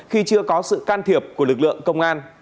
khi chưa có sự can thiệp của lực lượng công an